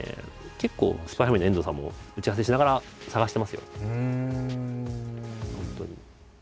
結構「ＳＰＹ×ＦＡＭＩＬＹ」の遠藤さんも打ち合わせしながら探してますよ。